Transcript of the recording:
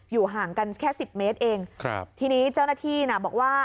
ห่างกันแค่สิบเมตรเองครับทีนี้เจ้าหน้าที่น่ะบอกว่า